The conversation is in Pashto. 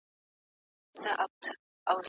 موږ بايد د حالاتو متن ته ورشو.